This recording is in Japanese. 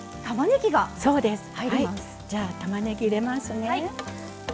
じゃあたまねぎ入れますね。